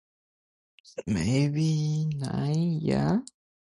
The space between may have also have served for penning the stock.